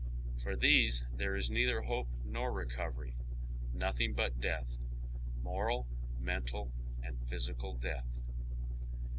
For these there is neither hope nor recovery ; nothing bnt death — moral, mental, and physical death.